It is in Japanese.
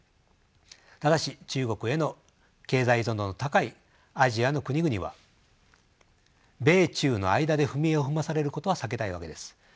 ただし中国への経済依存度の高いアジアの国々は米中の間で踏み絵を踏まされることは避けたいわけです。